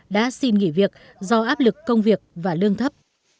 đã xin nghỉ việc do áp lực công việc và lương thấp